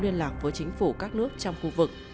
liên lạc với chính phủ các nước trong khu vực